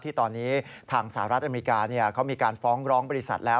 ที่ตอนนี้ทางสหรัฐอเมริกาเขามีการฟ้องร้องบริษัทแล้ว